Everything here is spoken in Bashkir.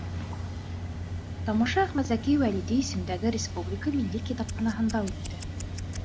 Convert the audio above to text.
Тамаша Әхмәтзәки Вәлиди исемендәге республика милли китапханаһында үтте.